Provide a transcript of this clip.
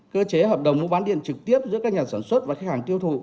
cơ chế hợp đồng mua bán điện trực tiếp giữa các nhà sản xuất và khách hàng tiêu thụ